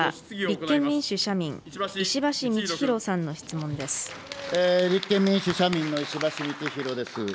立憲民主・社民の石橋通宏です。